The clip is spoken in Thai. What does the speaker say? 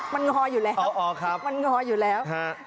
มันงออยู่แล้วมันงออยู่แล้ว